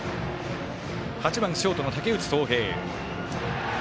８番ショートの竹内颯平。